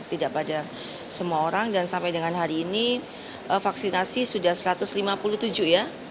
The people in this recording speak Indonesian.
tidak pada semua orang dan sampai dengan hari ini vaksinasi sudah satu ratus lima puluh tujuh ya